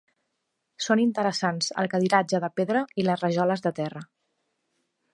Són interessants el cadiratge de pedra i les rajoles de terra.